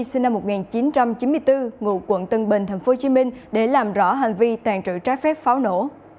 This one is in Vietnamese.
sinh năm một nghìn chín trăm chín mươi bốn ngụ quận tân bình tp hcm để làm rõ hành vi tàn trự trái phép pháo nổ